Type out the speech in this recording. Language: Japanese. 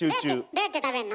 どうやって食べんの？